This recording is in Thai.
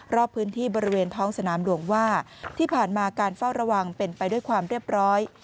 รอบพื้นที่บริเวณท้องสนามหลวงว่าที่ผ่านมาการเฝ้าระวังเป็นไปด้วยความเรียบร้อย